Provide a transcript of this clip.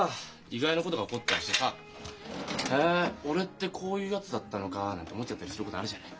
意外なことが起こったりしてさ「へえ俺ってこういうやつだったのか」なんて思っちゃったりすることあるじゃない。